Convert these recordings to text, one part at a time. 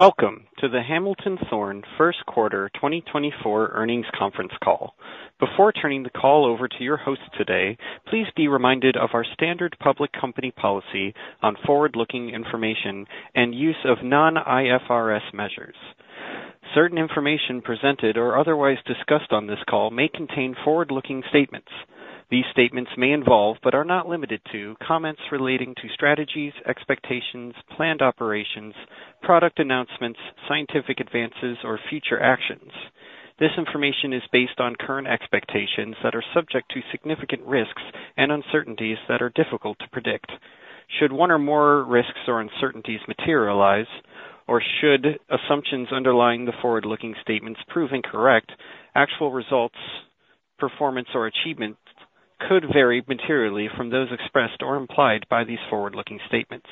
Welcome to the Hamilton Thorne First Quarter 2024 Earnings Conference Call. Before turning the call over to your host today, please be reminded of our standard public company policy on forward-looking information and use of non-IFRS measures. Certain information presented or otherwise discussed on this call may contain forward-looking statements. These statements may involve but are not limited to comments relating to strategies, expectations, planned operations, product announcements, scientific advances, or future actions. This information is based on current expectations that are subject to significant risks and uncertainties that are difficult to predict. Should one or more risks or uncertainties materialize, or should assumptions underlying the forward-looking statements prove incorrect, actual results, performance, or achievements could vary materially from those expressed or implied by these forward-looking statements.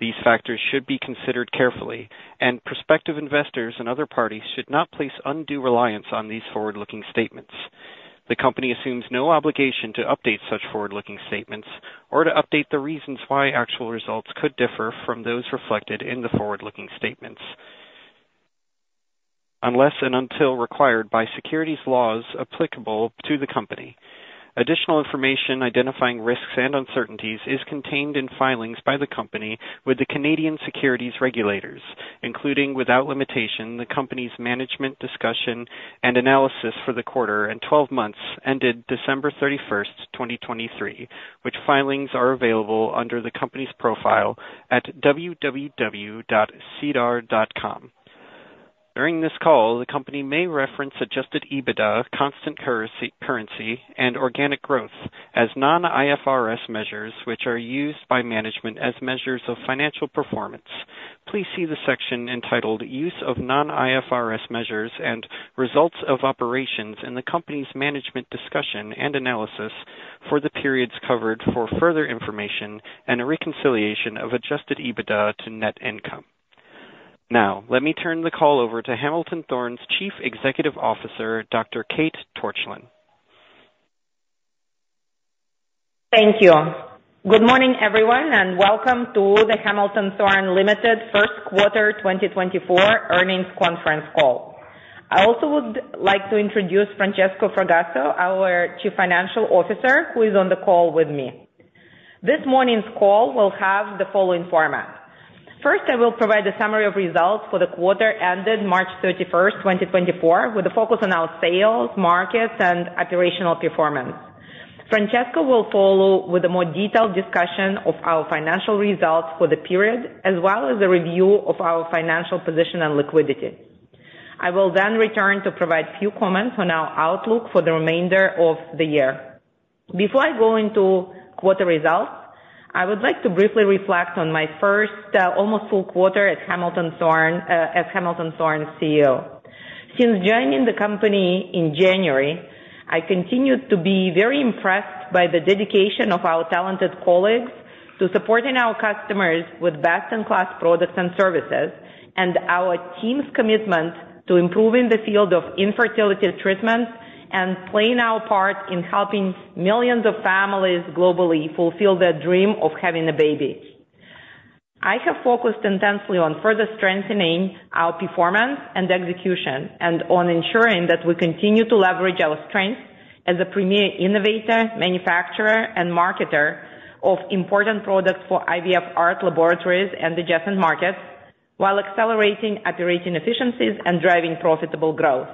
These factors should be considered carefully, and prospective investors and other parties should not place undue reliance on these forward-looking statements. The company assumes no obligation to update such forward-looking statements or to update the reasons why actual results could differ from those reflected in the forward-looking statements, unless and until required by securities laws applicable to the company. Additional information identifying risks and uncertainties is contained in filings by the company with the Canadian securities regulators, including without limitation the company's management's discussion and analysis for the quarter and 12 months ended December 31st, 2023, which filings are available under the company's profile at www.sedar.com. During this call, the company may reference Adjusted EBITDA, Constant Currency, and Organic Growth as non-IFRS measures which are used by management as measures of financial performance. Please see the section entitled "Use of Non-IFRS Measures and Results of Operations" in the company's management's discussion and analysis for the periods covered for further information and a reconciliation of Adjusted EBITDA to net income. Now, let me turn the call over to Hamilton Thorne's Chief Executive Officer, Dr. Kate Torchilin. Thank you. Good morning, everyone, and welcome to the Hamilton Thorne Limited First Quarter 2024 Earnings Conference Call. I also would like to introduce Francesco Fragasso, our Chief Financial Officer, who is on the call with me. This morning's call will have the following format. First, I will provide a summary of results for the quarter ended March 31st, 2024, with a focus on our sales, markets, and operational performance. Francesco will follow with a more detailed discussion of our financial results for the period, as well as a review of our financial position and liquidity. I will then return to provide a few comments on our outlook for the remainder of the year. Before I go into quarter results, I would like to briefly reflect on my first almost full quarter at Hamilton Thorne as Hamilton Thorne CEO. Since joining the company in January, I continued to be very impressed by the dedication of our talented colleagues to supporting our customers with best-in-class products and services, and our team's commitment to improving the field of infertility treatment and playing our part in helping millions of families globally fulfill their dream of having a baby. I have focused intensely on further strengthening our performance and execution, and on ensuring that we continue to leverage our strengths as a premier innovator, manufacturer, and marketer of important products for IVF ART laboratories and adjacent markets, while accelerating operating efficiencies and driving profitable growth.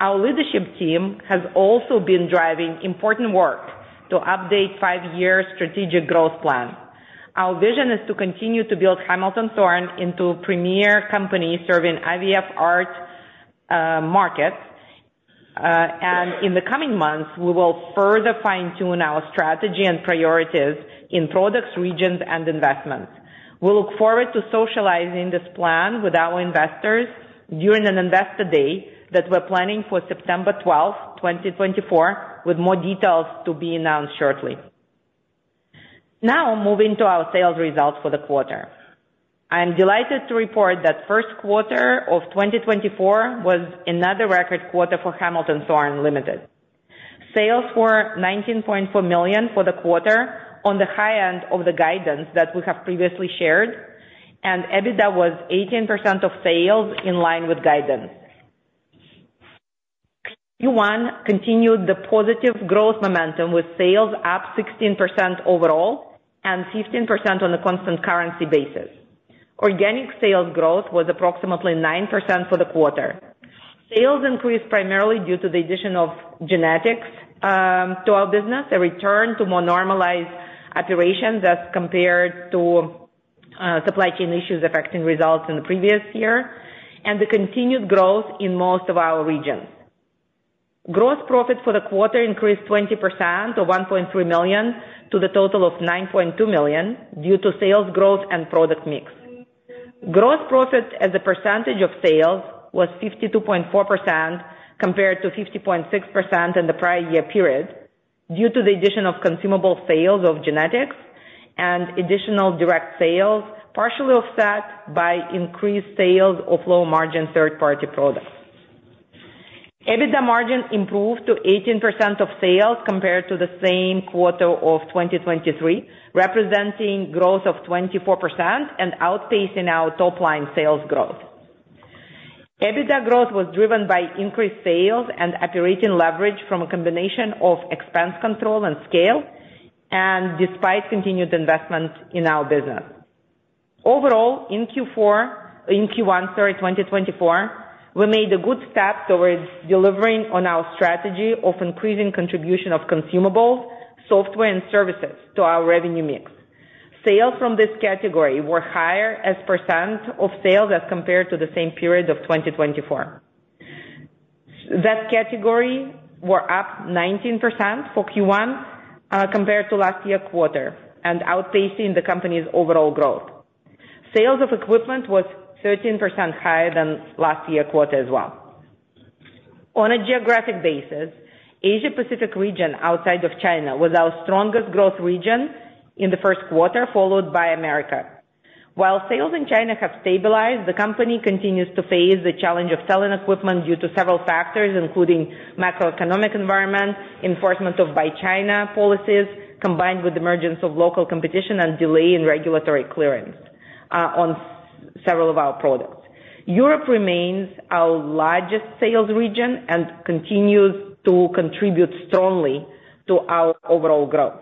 Our leadership team has also been driving important work to update five-year strategic growth plan. Our vision is to continue to build Hamilton Thorne into a premier company serving IVF ART markets. In the coming months, we will further fine-tune our strategy and priorities in products, regions, and investments. We look forward to socializing this plan with our investors during an investor day that we're planning for September 12th, 2024, with more details to be announced shortly. Now, moving to our sales results for the quarter. I am delighted to report that first quarter of 2024 was another record quarter for Hamilton Thorne Ltd. Sales were $19.4 million for the quarter on the high end of the guidance that we have previously shared, and EBITDA was 18% of sales in line with guidance. Q1 continued the positive growth momentum with sales up 16% overall and 15% on a constant currency basis. Organic sales growth was approximately 9% for the quarter. Sales increased primarily due to the addition of Gynetics to our business, a return to more normalized operations as compared to supply chain issues affecting results in the previous year, and the continued growth in most of our regions. Gross profit for the quarter increased 20%, or $1.3 million, to the total of $9.2 million due to sales growth and product mix. Gross profit as a percentage of sales was 52.4% compared to 50.6% in the prior year period due to the addition of consumable sales of Gynetics and additional direct sales partially offset by increased sales of low-margin third-party products. EBITDA margin improved to 18% of sales compared to the same quarter of 2023, representing growth of 24% and outpacing our top-line sales growth. EBITDA growth was driven by increased sales and operating leverage from a combination of expense control and scale, and despite continued investment in our business. Overall, in Q1, sorry, 2024, we made a good step towards delivering on our strategy of increasing contribution of consumables, software, and services to our revenue mix. Sales from this category were higher as percent of sales as compared to the same period of 2024. That category was up 19% for Q1 compared to last year's quarter and outpacing the company's overall growth. Sales of equipment were 13% higher than last year's quarter as well. On a geographic basis, Asia-Pacific region outside of China was our strongest growth region in the first quarter, followed by America. While sales in China have stabilized, the company continues to face the challenge of selling equipment due to several factors, including macroeconomic environment, enforcement of Buy China policies combined with the emergence of local competition and delay in regulatory clearance on several of our products. Europe remains our largest sales region and continues to contribute strongly to our overall growth.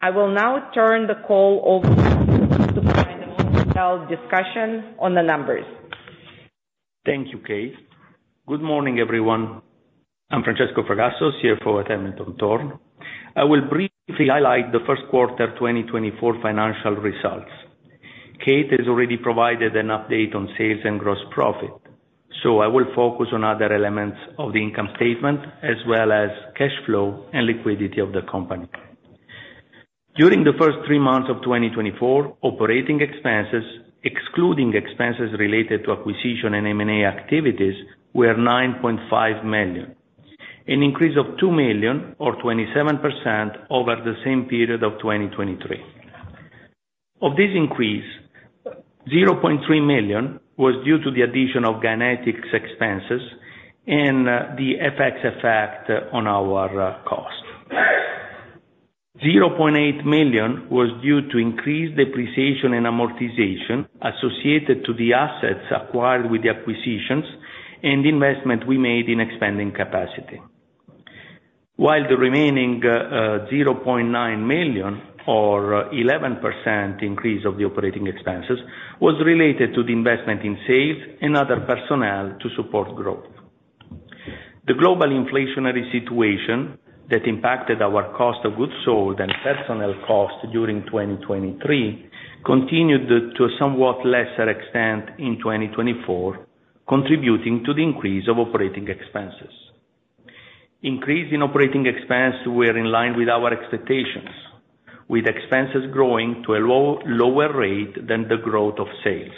I will now turn the call over to provide the most detailed discussion on the numbers. Thank you, Kate. Good morning, everyone. I'm Francesco Fragasso, CFO at Hamilton Thorne. I will briefly highlight the first quarter 2024 financial results. Kate has already provided an update on sales and gross profit, so I will focus on other elements of the income statement as well as cash flow and liquidity of the company. During the first three months of 2024, operating expenses, excluding expenses related to acquisition and M&A activities, were $9.5 million, an increase of $2 million, or 27%, over the same period of 2023. Of this increase, $0.3 million was due to the addition of Gynetics expenses and the FX effect on our cost. $0.8 million was due to increased depreciation and amortization associated with the assets acquired with the acquisitions and investment we made in expanding capacity. While the remaining $0.9 million, or 11% increase of the operating expenses, was related to the investment in sales and other personnel to support growth. The global inflationary situation that impacted our cost of goods sold and personnel costs during 2023 continued to a somewhat lesser extent in 2024, contributing to the increase of operating expenses. Increase in operating expense was in line with our expectations, with expenses growing to a lower rate than the growth of sales.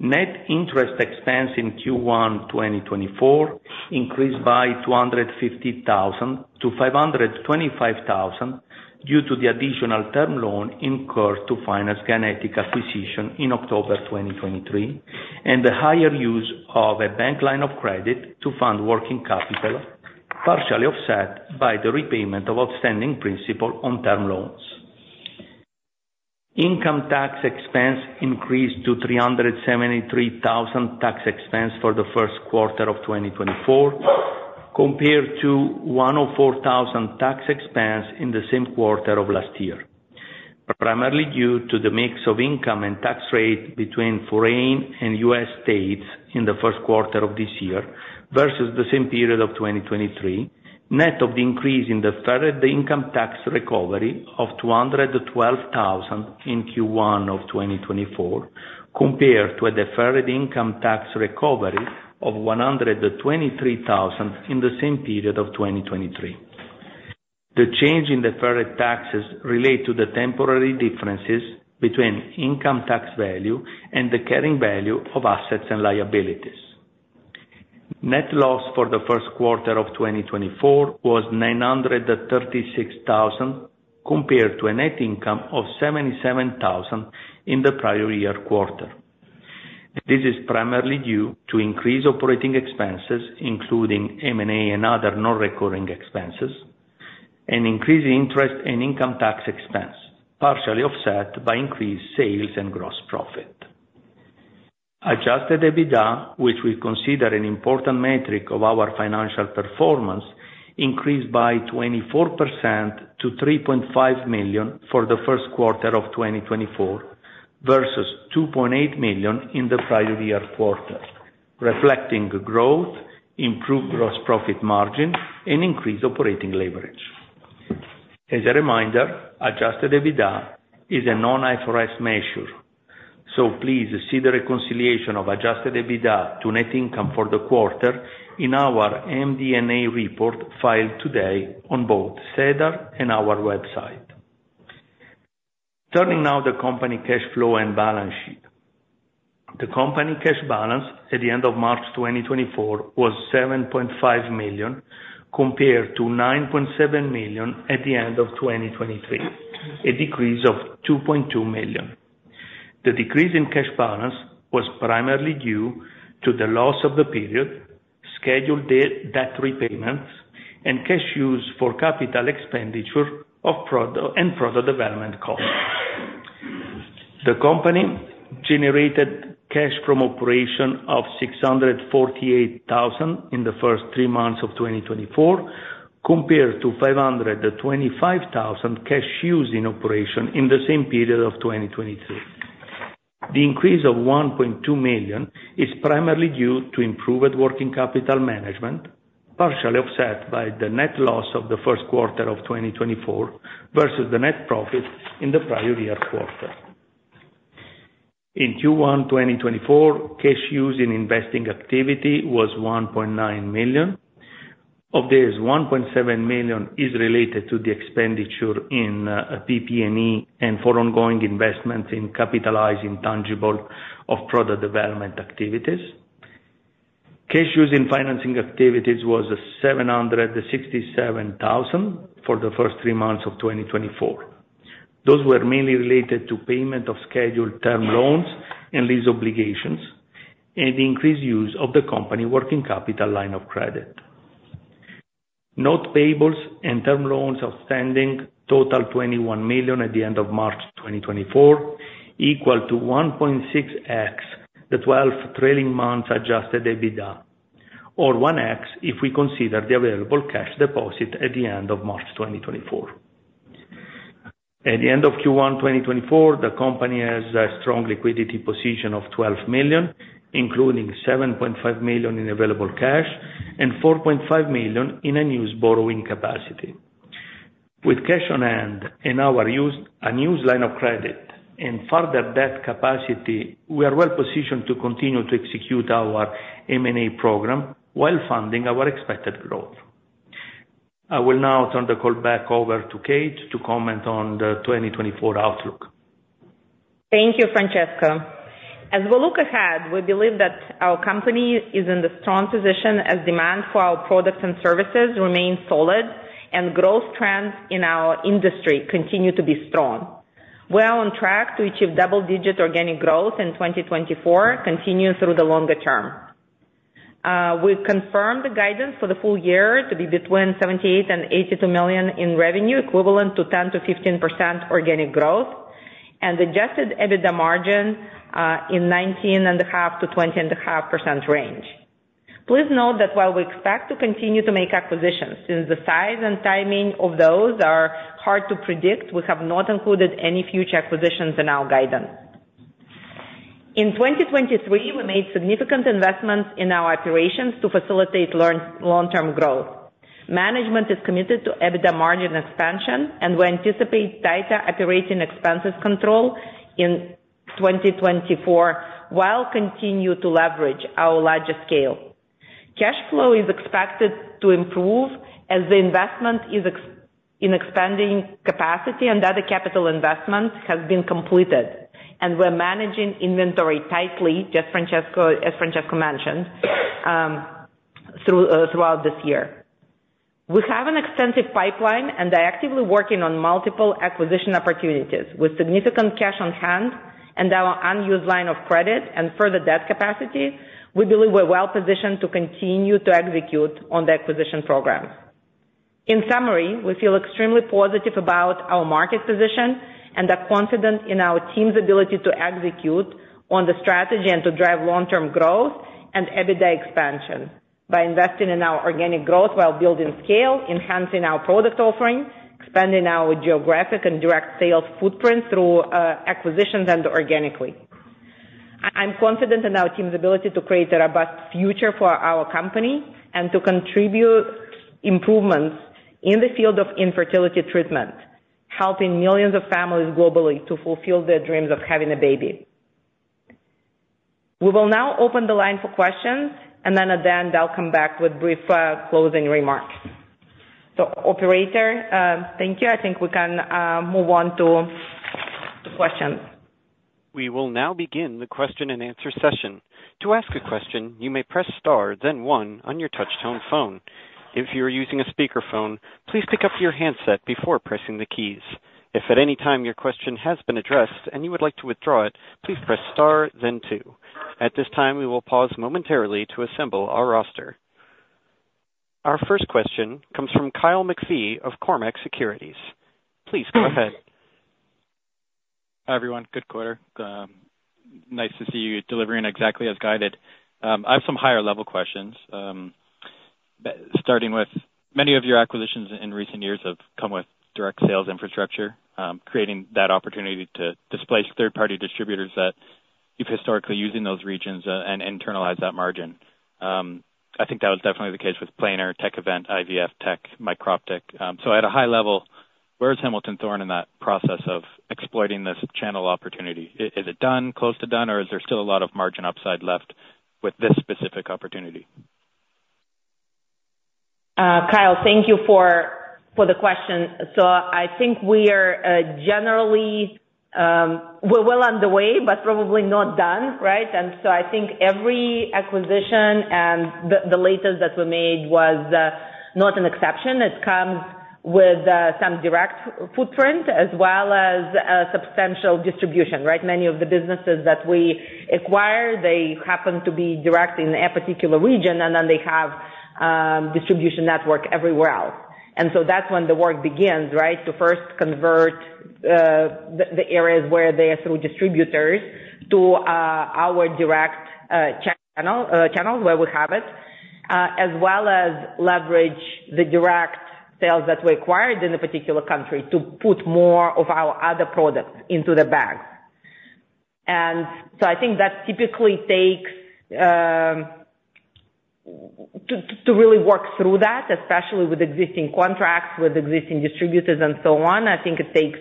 Net interest expense in Q1 2024 increased by $250,000 to $525,000 due to the additional term loan incurred to finance Gynetics acquisition in October 2023 and the higher use of a bank line of credit to fund working capital, partially offset by the repayment of outstanding principal on term loans. Income tax expense increased to $373,000 tax expense for the first quarter of 2024 compared to $104,000 tax expense in the same quarter of last year. Primarily due to the mix of income and tax rate between foreign and U.S. states in the first quarter of this year versus the same period of 2023, net of the increase in the federal income tax recovery of $212,000 in Q1 of 2024 compared to a deferred income tax recovery of $123,000 in the same period of 2023. The change in deferred taxes relates to the temporary differences between income tax value and the carrying value of assets and liabilities. Net loss for the first quarter of 2024 was $936,000 compared to a net income of $77,000 in the prior year quarter. This is primarily due to increased operating expenses, including M&A and other non-recurring expenses, and increased interest and income tax expense, partially offset by increased sales and gross profit. Adjusted EBITDA, which we consider an important metric of our financial performance, increased by 24% to $3.5 million for the first quarter of 2024 versus $2.8 million in the prior year quarter, reflecting growth, improved gross profit margin, and increased operating leverage. As a reminder, adjusted EBITDA is a non-IFRS measure, so please see the reconciliation of adjusted EBITDA to net income for the quarter in our MD&A report filed today on both SEDAR+ and our website. Turning now to company cash flow and balance sheet. The company cash balance at the end of March 2024 was $7.5 million compared to $9.7 million at the end of 2023, a decrease of $2.2 million. The decrease in cash balance was primarily due to the loss for the period, scheduled debt repayments, and cash used for capital expenditure and product development costs. The company generated cash from operations of $648,000 in the first three months of 2024 compared to $525,000 cash used in operations in the same period of 2023. The increase of $1.2 million is primarily due to improved working capital management, partially offset by the net loss of the first quarter of 2024 versus the net profit in the prior year quarter. In Q1 2024, cash used in investing activities was $1.9 million. Of these, $1.7 million is related to the expenditure in PP&E and for ongoing investments in capitalizing intangibles for product development activities. Cash used in financing activities was $767,000 for the first three months of 2024. Those were mainly related to payment of scheduled term loans and lease obligations, and the increased use of the company's working capital line of credit. Net payables and term loans outstanding totaled $21 million at the end of March 2024, equal to 1.6x the 12 trailing months' Adjusted EBITDA, or 1x if we consider the available cash deposit at the end of March 2024. At the end of Q1 2024, the company has a strong liquidity position of $12 million, including $7.5 million in available cash and $4.5 million in net borrowing capacity. With cash on hand and a net line of credit and further debt capacity, we are well positioned to continue to execute our M&A program while funding our expected growth. I will now turn the call back over to Kate to comment on the 2024 outlook. Thank you, Francesco. As we look ahead, we believe that our company is in a strong position as demand for our products and services remains solid and growth trends in our industry continue to be strong. We are on track to achieve double-digit organic growth in 2024, continuing through the longer term. We confirm the guidance for the full year to be between $78 million and $82 million in revenue, equivalent to 10%-15% organic growth, and Adjusted EBITDA margin in 19.5%-20.5% range. Please note that while we expect to continue to make acquisitions, since the size and timing of those are hard to predict, we have not included any future acquisitions in our guidance. In 2023, we made significant investments in our operations to facilitate long-term growth. Management is committed to EBITDA margin expansion, and we anticipate tighter operating expenses control in 2024 while continuing to leverage our larger scale. Cash flow is expected to improve as the investment is in expanding capacity and other capital investments have been completed, and we're managing inventory tightly, as Francesco mentioned, throughout this year. We have an extensive pipeline, and we're actively working on multiple acquisition opportunities. With significant cash on hand and our unused line of credit and further debt capacity, we believe we're well positioned to continue to execute on the acquisition program. In summary, we feel extremely positive about our market position and are confident in our team's ability to execute on the strategy and to drive long-term growth and EBITDA expansion by investing in our organic growth while building scale, enhancing our product offering, expanding our geographic and direct sales footprint through acquisitions and organically. I'm confident in our team's ability to create a robust future for our company and to contribute improvements in the field of infertility treatment, helping millions of families globally to fulfill their dreams of having a baby. We will now open the line for questions, and then at the end, I'll come back with brief closing remarks. So, operator, thank you. I think we can move on to questions. We will now begin the question-and-answer session. To ask a question, you may press star, then one, on your touchscreen phone. If you are using a speakerphone, please pick up your handset before pressing the keys. If at any time your question has been addressed and you would like to withdraw it, please press star, then two. At this time, we will pause momentarily to assemble our roster. Our first question comes from Kyle McPhee of Cormark Securities. Please go ahead. Hi, everyone. Good quarter. Nice to see you delivering exactly as guided. I have some higher-level questions, starting with many of your acquisitions in recent years have come with direct sales infrastructure, creating that opportunity to displace third-party distributors that you've historically used in those regions and internalize that margin. I think that was definitely the case with Planer, Tek-Event, IVFtech, Microptic. So, at a high level, where is Hamilton Thorne in that process of exploiting this channel opportunity? Is it done, close to done, or is there still a lot of margin upside left with this specific opportunity? Kyle, thank you for the question. So, I think we are generally well on the way but probably not done, right? And so, I think every acquisition and the latest that we made was not an exception. It comes with some direct footprint as well as substantial distribution, right? Many of the businesses that we acquire, they happen to be direct in a particular region, and then they have distribution network everywhere else. And so, that's when the work begins, right, to first convert the areas where they are through distributors to our direct channels where we have it, as well as leverage the direct sales that we acquired in a particular country to put more of our other products into the bag. And so, I think that typically takes to really work through that, especially with existing contracts, with existing distributors, and so on. I think it takes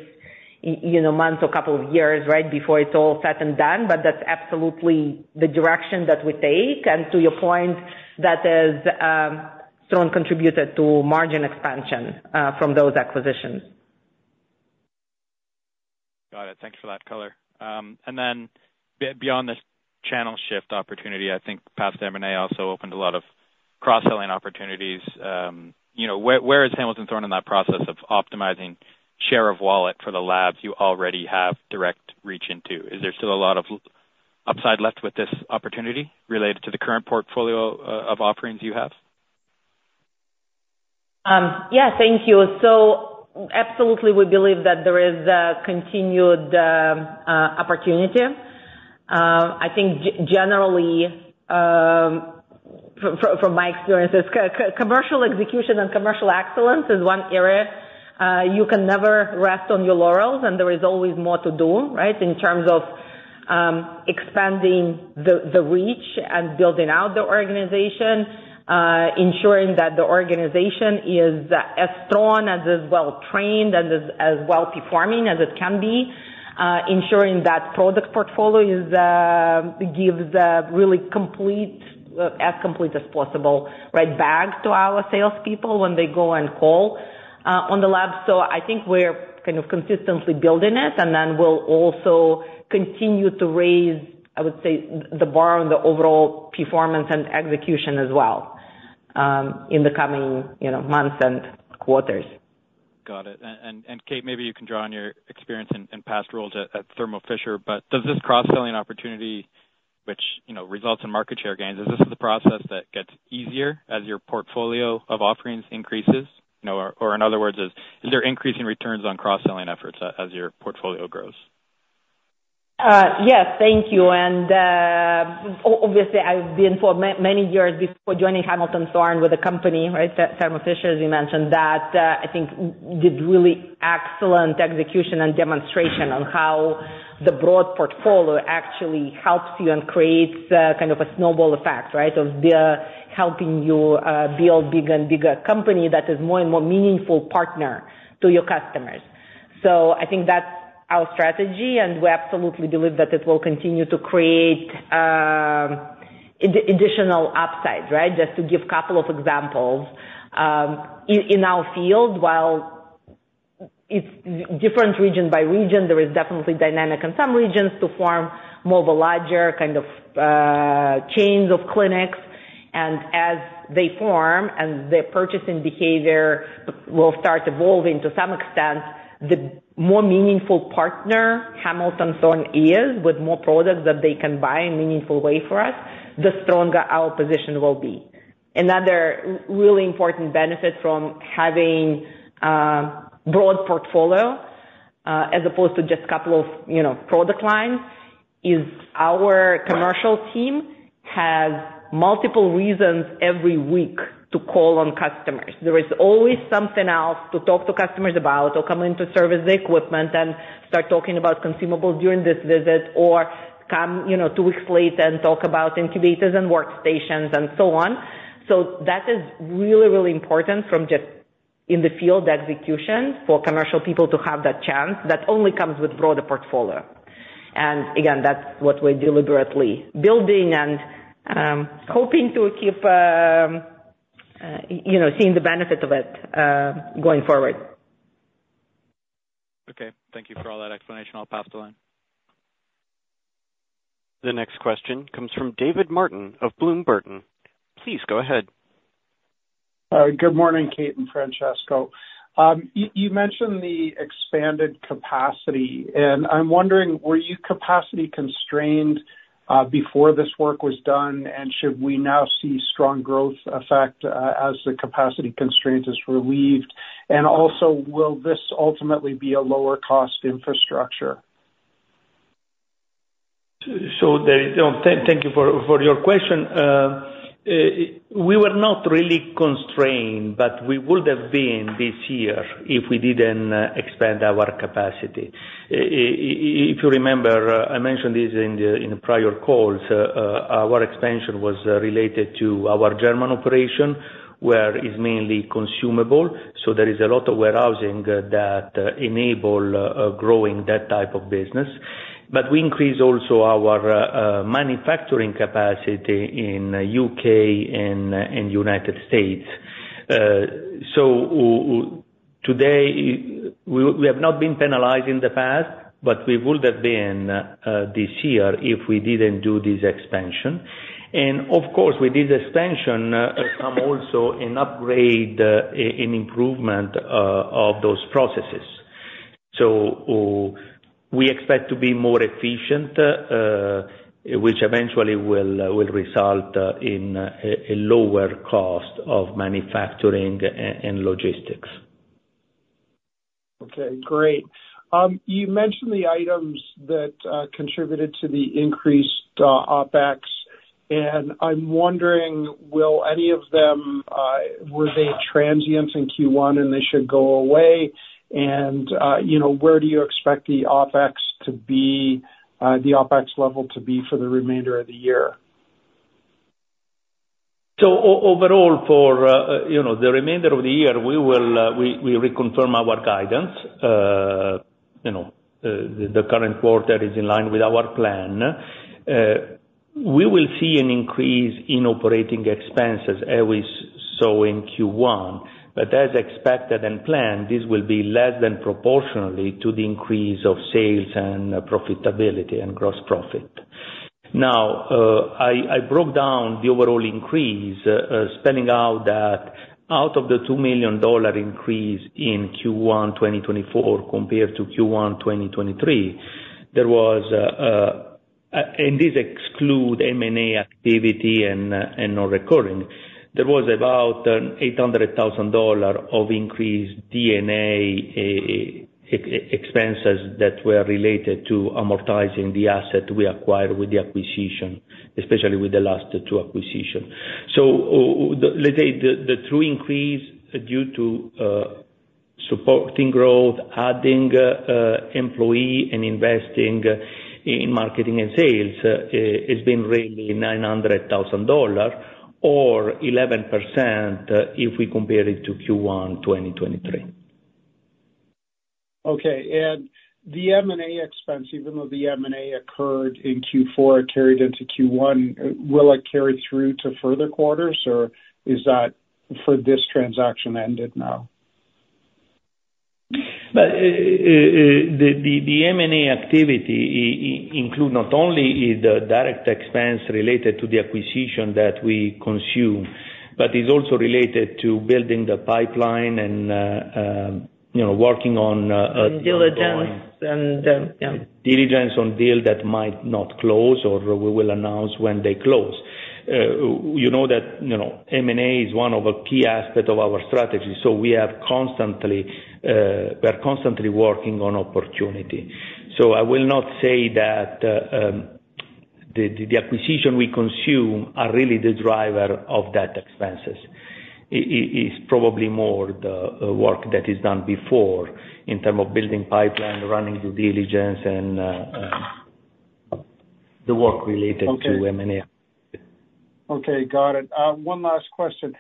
months or a couple of years, right, before it's all set and done. But that's absolutely the direction that we take. And to your point, that has strongly contributed to margin expansion from those acquisitions. Got it. Thanks for that color. And then, beyond this channel shift opportunity, I think past M&A also opened a lot of cross-selling opportunities. Where is Hamilton Thorne in that process of optimizing share of wallet for the labs you already have direct reach into? Is there still a lot of upside left with this opportunity related to the current portfolio of offerings you have? Yeah, thank you. So, absolutely, we believe that there is continued opportunity. I think, generally, from my experiences, commercial execution and commercial excellence is one area. You can never rest on your laurels, and there is always more to do, right, in terms of expanding the reach and building out the organization, ensuring that the organization is as strong and as well-trained and as well-performing as it can be, ensuring that product portfolio gives a really complete, as complete as possible, right, bag to our salespeople when they go and call on the lab. So, I think we're kind of consistently building it, and then we'll also continue to raise, I would say, the bar on the overall performance and execution as well in the coming months and quarters. Got it. Kate, maybe you can draw on your experience in past roles at Thermo Fisher, but does this cross-selling opportunity, which results in market share gains, is this the process that gets easier as your portfolio of offerings increases? Or in other words, is there increasing returns on cross-selling efforts as your portfolio grows? Yes, thank you. And obviously, I've been for many years before joining Hamilton Thorne with the company, right, Thermo Fisher, as you mentioned, that I think did really excellent execution and demonstration on how the broad portfolio actually helps you and creates kind of a snowball effect, right, of helping you build a bigger and bigger company that is more and more meaningful partner to your customers. So, I think that's our strategy, and we absolutely believe that it will continue to create additional upside, right, just to give a couple of examples. In our field, while it's different region by region, there is definitely dynamic in some regions to form more of a larger kind of chains of clinics. As they form and their purchasing behavior will start evolving to some extent, the more meaningful partner Hamilton Thorne is with more products that they can buy in a meaningful way for us, the stronger our position will be. Another really important benefit from having a broad portfolio as opposed to just a couple of product lines is our commercial team has multiple reasons every week to call on customers. There is always something else to talk to customers about or come into service equipment and start talking about consumables during this visit or come two weeks late and talk about incubators and workstations and so on. So, that is really, really important from just in the field execution for commercial people to have that chance. That only comes with a broader portfolio. And again, that's what we're deliberately building and hoping to keep seeing the benefit of it going forward. Okay. Thank you for all that explanation. I'll pass the line. The next question comes from David Martin of Bloom Burton. Please go ahead. Good morning, Kate and Francesco. You mentioned the expanded capacity, and I'm wondering, were you capacity-constrained before this work was done, and should we now see strong growth effect as the capacity constraint is relieved? Also, will this ultimately be a lower-cost infrastructure? So, thank you for your question. We were not really constrained, but we would have been this year if we didn't expand our capacity. If you remember, I mentioned this in prior calls. Our expansion was related to our German operation, where it's mainly consumable. So, there is a lot of warehousing that enables growing that type of business. But we increased also our manufacturing capacity in the U.K. and United States. So, today, we have not been penalized in the past, but we would have been this year if we didn't do this expansion. And of course, with this expansion comes also an upgrade and improvement of those processes. So, we expect to be more efficient, which eventually will result in a lower cost of manufacturing and logistics. Okay. Great. You mentioned the items that contributed to the increased OpEx, and I'm wondering, were any of them transient in Q1 and they should go away? And where do you expect the OpEx to be, the OpEx level to be for the remainder of the year? So, overall, for the remainder of the year, we will reconfirm our guidance. The current quarter is in line with our plan. We will see an increase in operating expenses, as we saw in Q1. But as expected and planned, this will be less than proportionally to the increase of sales and profitability and gross profit. Now, I broke down the overall increase, spelling out that out of the $2 million increase in Q1 2024 compared to Q1 2023, and this excludes M&A activity and non-recurring, there was about $800,000 of increased D&A expenses that were related to amortizing the asset we acquired with the acquisition, especially with the last two acquisitions. So, let's say the true increase due to supporting growth, adding employees, and investing in marketing and sales has been really $900,000 or 11% if we compare it to Q1 2023. Okay. The M&A expense, even though the M&A occurred in Q4, it carried into Q1. Will it carry through to further quarters, or is that for this transaction ended now? The M&A activity includes not only the direct expense related to the acquisition that we consume, but it's also related to building the pipeline and working on. And diligence. Diligence on deals that might not close or we will announce when they close. You know that M&A is one of the key aspects of our strategy. We are constantly working on opportunities. I will not say that the acquisitions we consummated are really the driver of those expenses. It's probably more the work that is done before in terms of building pipeline, running the diligence, and the work related to M&A. Okay. Got it. One last question.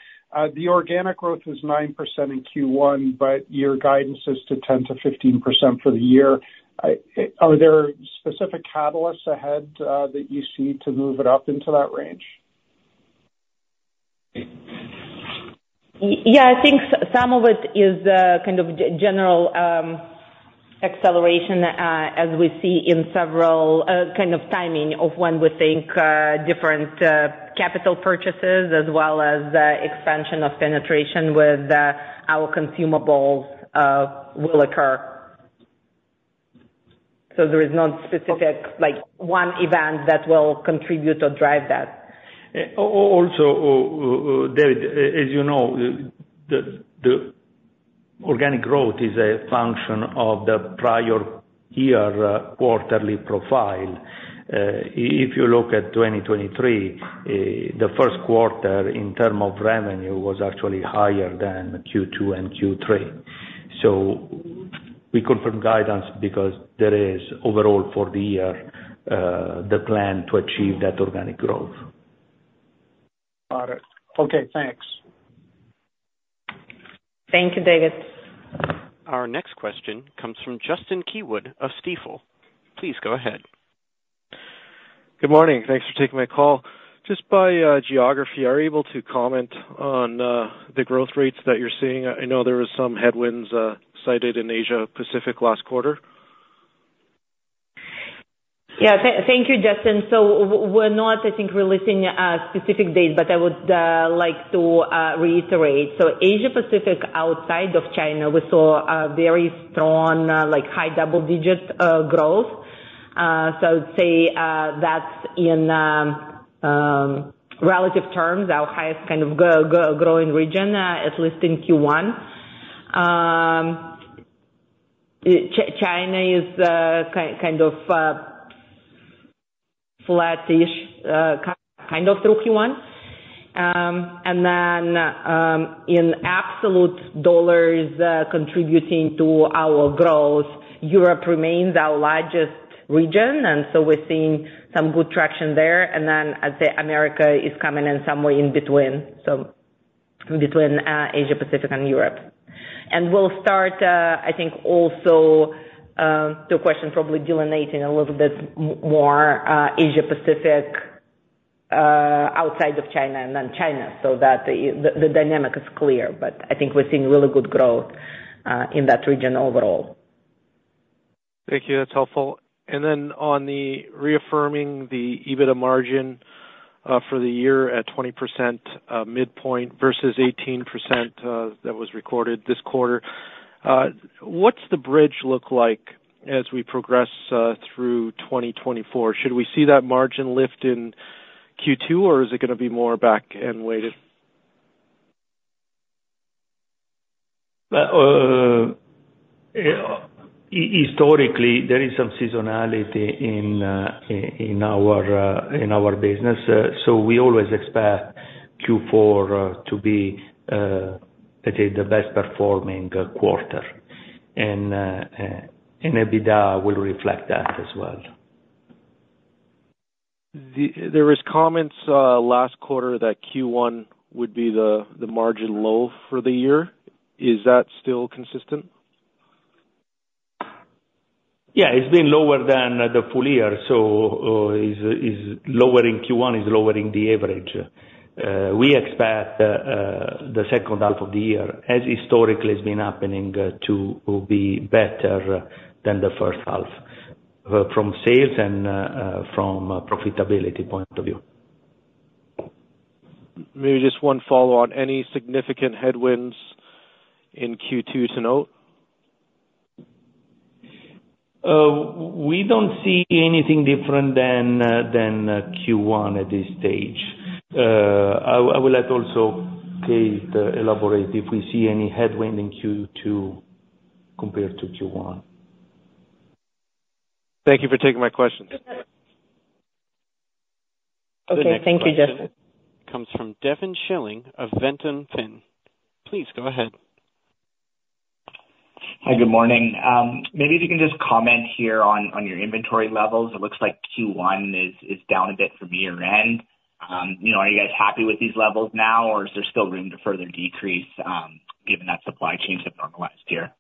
The organic growth is 9% in Q1, but your guidance is to 10%-15% for the year. Are there specific catalysts ahead that you see to move it up into that range? Yeah, I think some of it is kind of general acceleration as we see in several kind of timing of when we think different capital purchases as well as expansion of penetration with our consumables will occur. So, there is no specific one event that will contribute or drive that. Also, David, as you know, the organic growth is a function of the prior-year quarterly profile. If you look at 2023, the first quarter in terms of revenue was actually higher than Q2 and Q3. So, we confirm guidance because there is, overall, for the year, the plan to achieve that organic growth. Got it. Okay. Thanks. Thank you, David. Our next question comes from Justin Keywood of Stifel. Please go ahead. Good morning. Thanks for taking my call. Just by geography, are you able to comment on the growth rates that you're seeing? I know there were some headwinds cited in Asia Pacific last quarter. Yeah, thank you, Justin. So, we're not, I think, releasing specific dates, but I would like to reiterate. So, Asia Pacific outside of China, we saw a very strong, high double-digit growth. So, I would say that's in relative terms, our highest kind of growing region, at least in Q1. China is kind of flat-ish, kind of through Q1. And then in absolute dollars contributing to our growth, Europe remains our largest region, and so we're seeing some good traction there. And then I'd say America is coming in somewhere in between, so, between Asia Pacific and Europe. And we'll start, I think, also to a question probably delineating a little bit more Asia Pacific outside of China and then China so that the dynamic is clear. But I think we're seeing really good growth in that region overall. Thank you. That's helpful. And then on reaffirming the EBITDA margin for the year at 20% midpoint versus 18% that was recorded this quarter, what's the bridge look like as we progress through 2024? Should we see that margin lift in Q2, or is it going to be more back-end weighted? Historically, there is some seasonality in our business, so we always expect Q4 to be, let's say, the best-performing quarter. EBITDA will reflect that as well. There were comments last quarter that Q1 would be the margin low for the year. Is that still consistent? Yeah, it's been lower than the full year. So lower in Q1 is lowering the average. We expect the second half of the year, as historically has been happening, to be better than the first half from sales and from a profitability point of view. Maybe just one follow-on. Any significant headwinds in Q2 to note? We don't see anything different than Q1 at this stage. I would like also, Kate, to elaborate if we see any headwind in Q2 compared to Q1. Thank you for taking my questions. Okay. Thank you, Justin. Comes from Devin Schilling of Ventum Financial. Please go ahead. Hi. Good morning. Maybe if you can just comment here on your inventory levels. It looks like Q1 is down a bit from year-end. Are you guys happy with these levels now, or is there still room to further decrease given that supply chains have normalized here?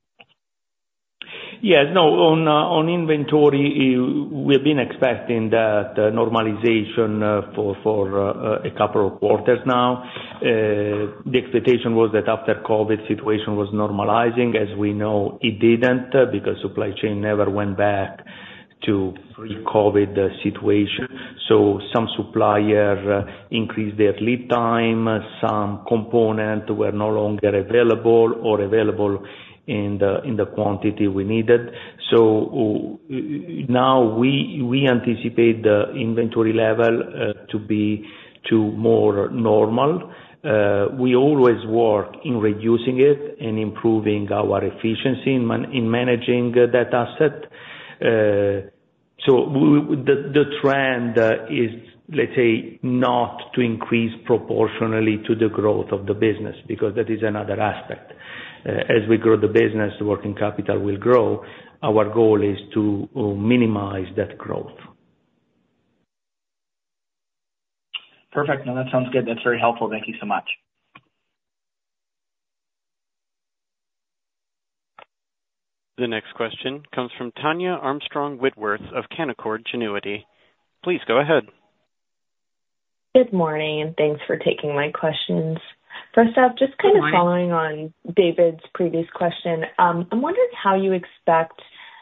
Yes. No. On inventory, we have been expecting that normalization for a couple of quarters now. The expectation was that after COVID, the situation was normalizing. As we know, it didn't because supply chain never went back to pre-COVID situation. Some suppliers increased their lead time. Some components were no longer available or available in the quantity we needed. Now, we anticipate the inventory level to be more normal. We always work in reducing it and improving our efficiency in managing that asset. The trend is, let's say, not to increase proportionally to the growth of the business because that is another aspect. As we grow the business, the working capital will grow. Our goal is to minimize that growth. Perfect. No, that sounds good. That's very helpful. Thank you so much. The next question comes from Tania Armstrong-Whitworth of Canaccord Genuity. Please go ahead. Good morning. Thanks for taking my questions. First off, just kind of following on David's previous question, I'm wondering how you expect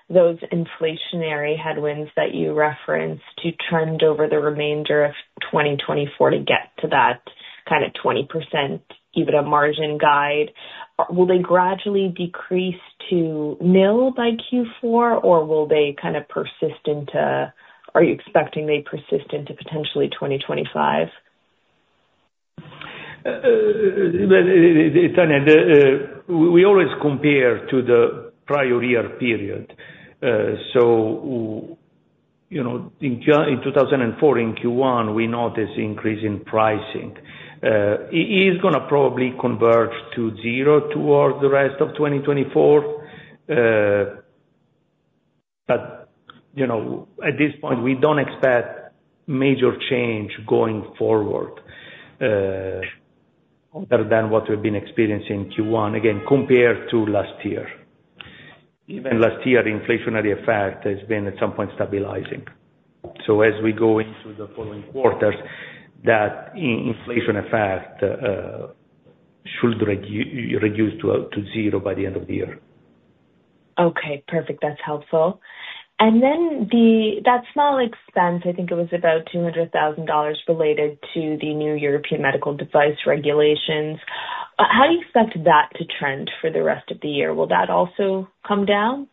those inflationary headwinds that you referenced to trend over the remainder of 2024 to get to that kind of 20% EBITDA margin guide. Will they gradually decrease to nil by Q4, or will they kind of persist into 2025? Are you expecting they persist into potentially 2025? Tania, we always compare to the prior-year period. So in Q1 2024, we noticed an increase in pricing. It's going to probably converge to zero towards the rest of 2024. But at this point, we don't expect major change going forward other than what we've been experiencing in Q1, again, compared to last year. Even last year, the inflationary effect has been at some point stabilizing. So as we go into the following quarters, that inflation effect should reduce to zero by the end of the year. Okay. Perfect. That's helpful. And then that small expense, I think it was about $200,000 related to the new European medical device regulations. How do you expect that to trend for the rest of the year? Will that also come down?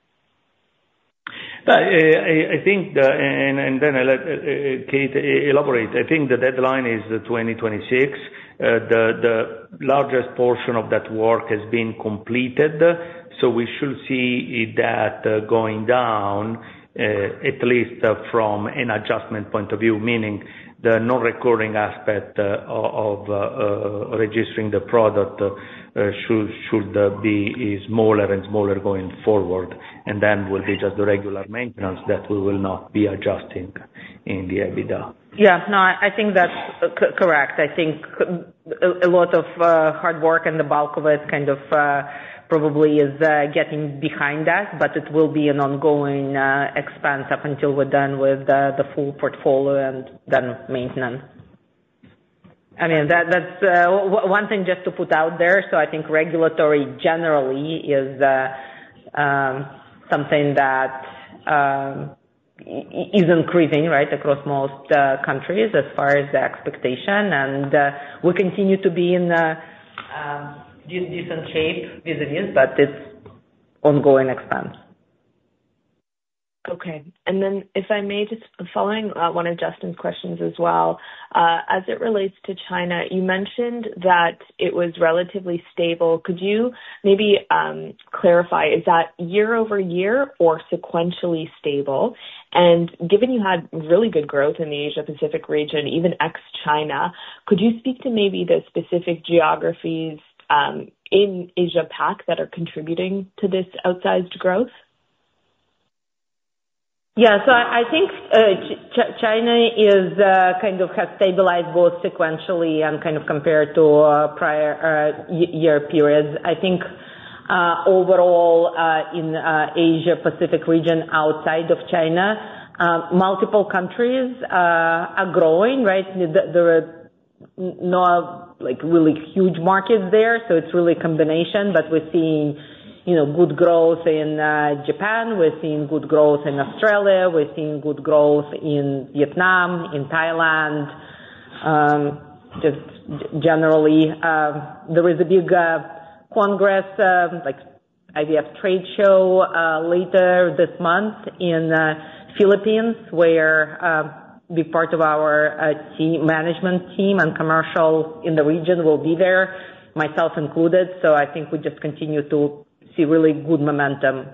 I think and then Kate, elaborate. I think the deadline is 2026. The largest portion of that work has been completed, so we should see that going down, at least from an adjustment point of view, meaning the non-recurring aspect of registering the product should be smaller and smaller going forward. Then will be just the regular maintenance that we will not be adjusting in the EBITDA. Yeah. No, I think that's correct. I think a lot of hard work and the bulk of it kind of probably is getting behind us, but it will be an ongoing expense up until we're done with the full portfolio and then maintenance. I mean, one thing just to put out there, so I think regulatory, generally, is something that is increasing, right, across most countries as far as the expectation. And we continue to be in decent shape vis-à-vis, but it's ongoing expense. Okay. And then if I may, just following one of Justin's questions as well, as it relates to China, you mentioned that it was relatively stable. Could you maybe clarify, is that year-over-year or sequentially stable? And given you had really good growth in the Asia Pacific region, even ex-China, could you speak to maybe the specific geographies in Asia-Pac that are contributing to this outsized growth? Yeah. So I think China kind of has stabilized both sequentially and kind of compared to prior-year periods. I think overall, in Asia-Pacific region outside of China, multiple countries are growing, right? There are no really huge markets there, so it's really a combination. But we're seeing good growth in Japan. We're seeing good growth in Australia. We're seeing good growth in Vietnam, in Thailand, just generally. There is a big congress, IVF Trade Show, later this month in the Philippines where a big part of our management team and commercial in the region will be there, myself included. So I think we just continue to see really good momentum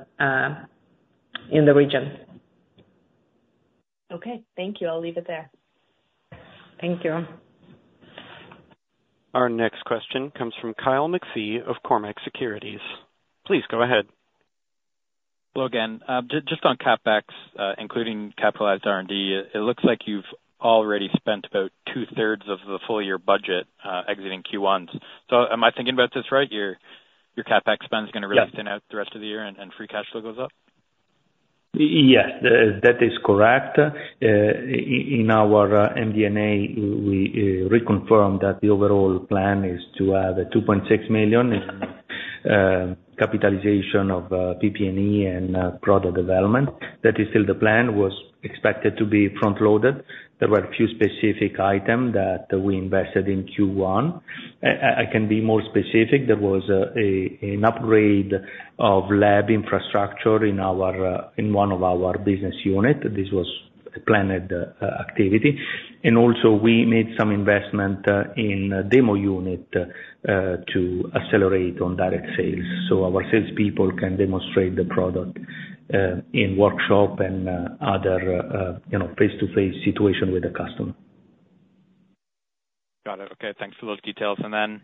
in the region. Okay. Thank you. I'll leave it there. Thank you. Our next question comes from Kyle McPhee of Cormark Securities. Please go ahead. Hello again. Just on CapEx, including capitalized R&D, it looks like you've already spent about two-thirds of the full-year budget exiting Q1s. So am I thinking about this right? Your CapEx spend is going to really thin out the rest of the year, and free cash flow goes up? Yes, that is correct. In our MD&A, we reconfirmed that the overall plan is to have $2.6 million in capitalization of PP&E and product development. That is still the plan. It was expected to be front-loaded. There were a few specific items that we invested in Q1. I can be more specific. There was an upgrade of lab infrastructure in one of our business units. This was a planned activity. Also, we made some investment in a demo unit to accelerate on direct sales so our salespeople can demonstrate the product in workshop and other face-to-face situations with the customer. Got it. Okay. Thanks for those details. And then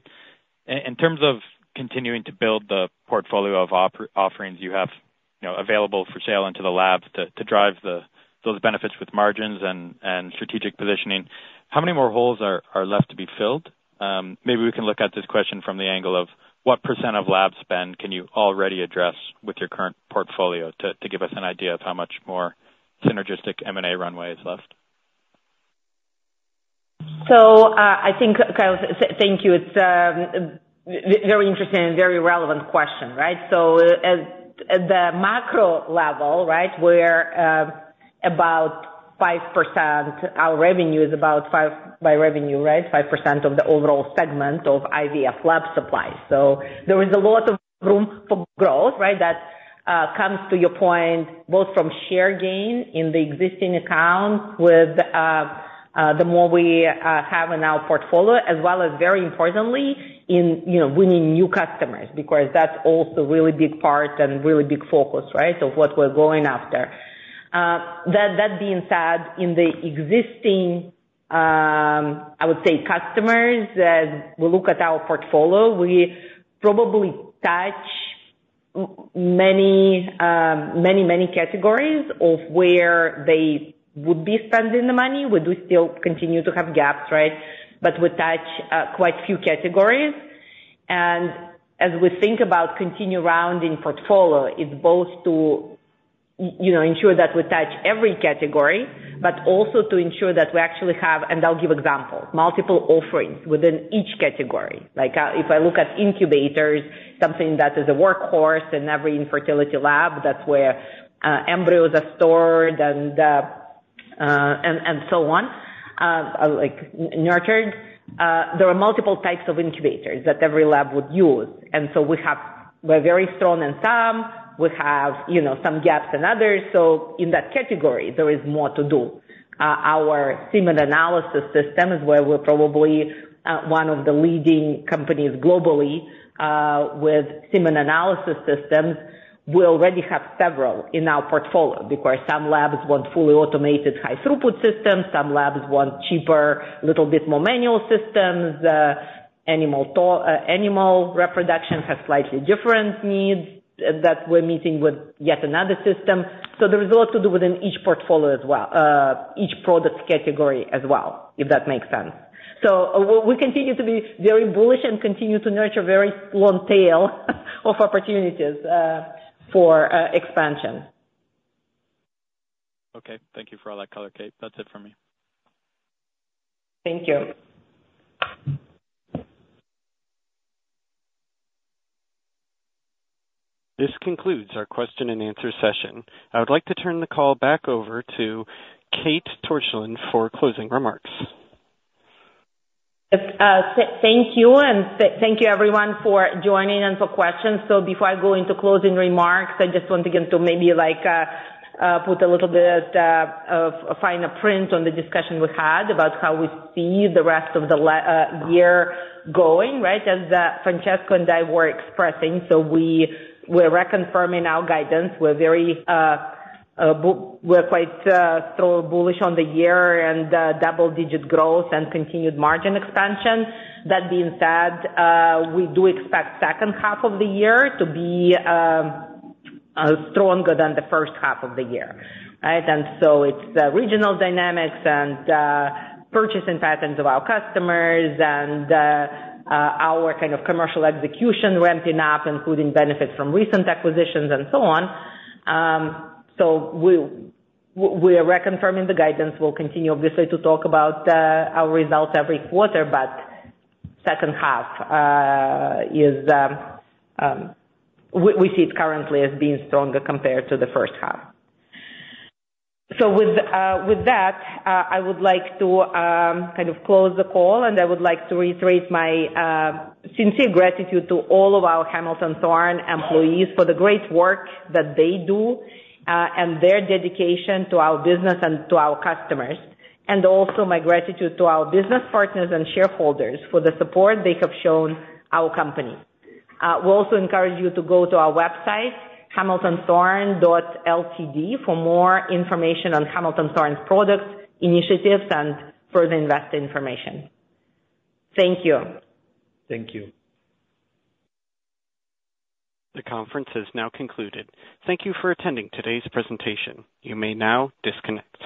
in terms of continuing to build the portfolio of offerings you have available for sale into the labs to drive those benefits with margins and strategic positioning, how many more holes are left to be filled? Maybe we can look at this question from the angle of what percentage of lab spend can you already address with your current portfolio to give us an idea of how much more synergistic M&A runway is left? So, I think, Kyle, thank you. It's a very interesting and very relevant question, right? So, at the macro level, right, we're about 5%. Our revenue is about five by revenue, right, 5% of the overall segment of IVF lab supply. So, there is a lot of room for growth, right, that comes to your point, both from share gain in the existing accounts with the more we have in our portfolio, as well as, very importantly, in winning new customers because that's also a really big part and really big focus, right, of what we're going after. That being said, in the existing, I would say, customers, we look at our portfolio. We probably touch many, many, many categories of where they would be spending the money. We do still continue to have gaps, right? But we touch quite a few categories. As we think about continuing rounding portfolio, it's both to ensure that we touch every category but also to ensure that we actually have and I'll give examples, multiple offerings within each category. If I look at incubators, something that is a workhorse in every infertility lab, that's where embryos are stored and so on, nurtured. There are multiple types of incubators that every lab would use. And so we're very strong in some. We have some gaps in others. So in that category, there is more to do. Our semen analysis system is where we're probably one of the leading companies globally with semen analysis systems. We already have several in our portfolio because some labs want fully automated high-throughput systems. Some labs want cheaper, a little bit more manual systems. Animal reproduction has slightly different needs that we're meeting with yet another system. So there is a lot to do within each portfolio as well, each product category as well, if that makes sense. So we continue to be very bullish and continue to nurture a very long tail of opportunities for expansion. Okay. Thank you for all that color, Kate. That's it from me. Thank you. This concludes our question-and-answer session. I would like to turn the call back over to Kate Torchilin for closing remarks. Thank you. And thank you, everyone, for joining and for questions. So before I go into closing remarks, I just want again to maybe put a little bit of a final point on the discussion we had about how we see the rest of the year going, right, as Francesco and I were expressing. So we're reconfirming our guidance. We're quite bullish on the year and double-digit growth and continued margin expansion. That being said, we do expect the second half of the year to be stronger than the first half of the year, right? And so it's regional dynamics and purchasing patterns of our customers and our kind of commercial execution ramping up, including benefits from recent acquisitions and so on. So we are reconfirming the guidance. We'll continue, obviously, to talk about our results every quarter, but the second half is we see it currently as being stronger compared to the first half. So with that, I would like to kind of close the call. I would like to reiterate my sincere gratitude to all of our Hamilton Thorne employees for the great work that they do and their dedication to our business and to our customers, and also my gratitude to our business partners and shareholders for the support they have shown our company. We also encourage you to go to our website, hamiltonthorne.ltd, for more information on Hamilton Thorne's products, initiatives, and further investor information. Thank you. Thank you. The conference has now concluded. Thank you for attending today's presentation. You may now disconnect.